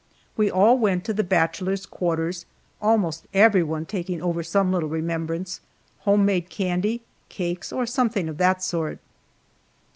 We all went to the bachelors' quarters, almost everyone taking over some little remembrance homemade candy, cakes, or something of that sort.